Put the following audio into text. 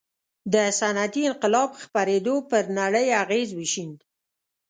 د صنعتي انقلاب خپرېدو پر نړۍ اغېز وښند.